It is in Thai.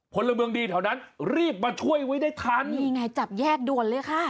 พลเมืองดีแถวนั้นรีบมาช่วยไว้ได้ทันนี่ไงจับแยกด่วนเลยค่ะ